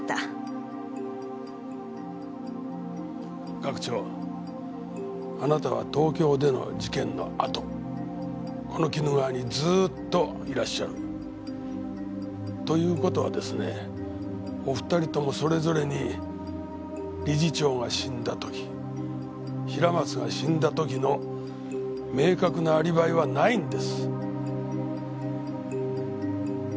学長あなたは東京での事件のあとこの鬼怒川にずーっといらっしゃる。という事はですねお２人ともそれぞれに理事長が死んだ時平松が死んだ時の明確なアリバイはないんです。